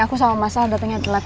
aku sama mas al datangnya telat